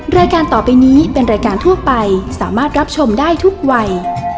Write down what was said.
รายการต่อไปนี้เป็นรายการทั่วไปสามารถรับชมได้ทุกวัย